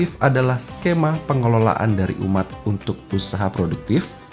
ini adalah skema pengelolaan dari umat untuk usaha produktif